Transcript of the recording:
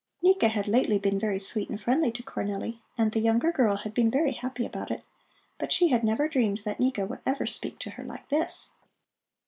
Nika had lately been very sweet and friendly to Cornelli, and the younger girl had been very happy about it. But had never dreamed that Nika would ever speak to her like this.